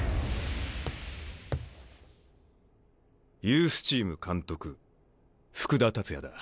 ユースチーム監督福田達也だ。